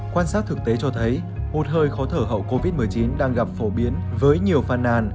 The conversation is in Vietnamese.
quan sát thực tế cho thấy hụt hơi khó thở hậu covid một mươi chín đang gặp phổ biến với nhiều phàn nàn